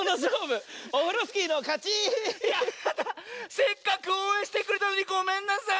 せっかくおうえんしてくれたのにごめんなさい！